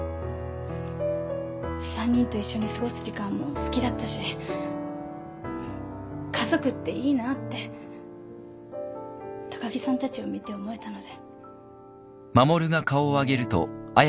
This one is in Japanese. ３人と一緒に過ごす時間も好きだったし家族っていいなって高木さんたちを見て思えたので。